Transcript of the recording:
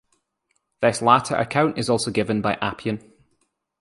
This latter account is also given by Appian.